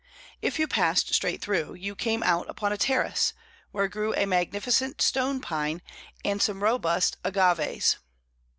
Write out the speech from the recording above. If you passed straight through, you came out upon a terrace, where grew a magnificent stone pine and some robust agaves.